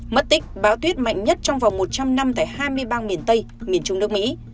mất tích bão tuyết mạnh nhất trong vòng một trăm linh năm tại hai mươi bang miền tây miền trung nước mỹ